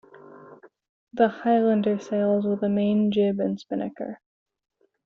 The "Highlander" sails with a main, jib and spinnaker.